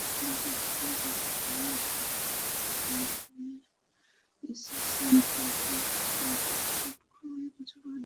দুই বছরের গবেষণায় বিশেষজ্ঞদের মতামত নিয়ে এসিসিএ-সংক্রান্ত পাঠক্রমে কিছু পরিবর্তন আনা হয়েছে।